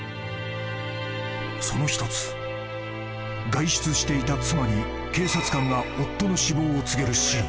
［その１つ外出していた妻に警察官が夫の死亡を告げるシーン］